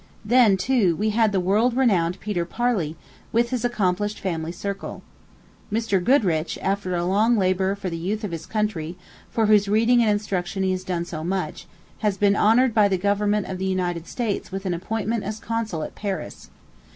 Then, too, we had the world renowned Peter Parley, with his accomplished family circle. Mr. Goodrich, after a long life of labor for the youth of his country, for whose reading and instruction he has done so much, has been honored by the government of the United States with an appointment as consul at Paris.